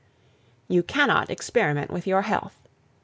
You cannot experiment with your health.